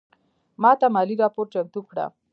ماته مالي راپور چمتو کړه